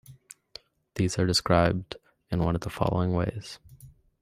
These are described in one of the following ways.